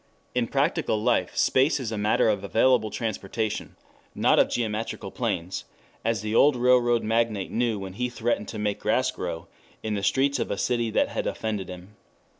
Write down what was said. In practical life space is a matter of available transportation, not of geometrical planes, as the old railroad magnate knew when he threatened to make grass grow in the streets of a city that had offended him.